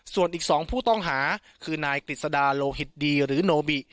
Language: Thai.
ส่วนอีก๒ผู้ต้องหาคือนายกฤษดาโลหิตดีหรือโนบิ